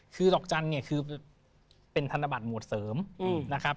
คือดอกจันทร์เนี่ยคือเป็นธนบัตรหมวดเสริมนะครับ